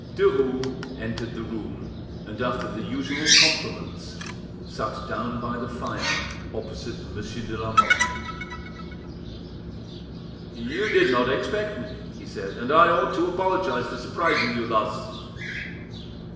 Derues entered the room, and, after the usual compliments, sat down by the fire, opposite Monsieur de Lamotte. "You did not expect me," he said, "and I ought to apologise for surprising you thus."